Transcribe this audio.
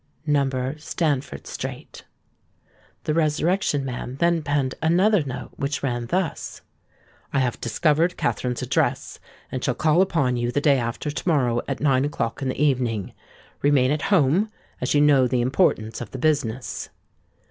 No.—Stamford Street." The Resurrection Man then penned another note which ran thus:— "I have discovered Katherine's address, and shall call upon you the day after to morrow at nine o'clock in the evening. Remain at home; as you know the importance of the business."